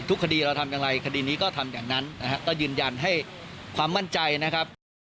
คดีเราทำอย่างไรคดีนี้ก็ทำอย่างนั้นนะฮะก็ยืนยันให้ความมั่นใจนะครับ